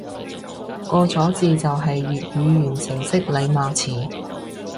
個咗字就係粵語完成式體貌詞